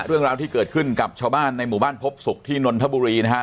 เรื่องราวที่เกิดขึ้นกับชาวบ้านในหมู่บ้านพบศุกร์ที่นนทบุรีนะฮะ